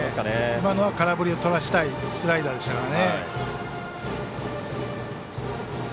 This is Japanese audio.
今のは空振りをとらせたいスライダーでしたからね。